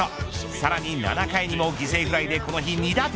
さらに７回にも犠牲フライでこの日、２打点。